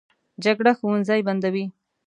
جګړه ښوونځي بندوي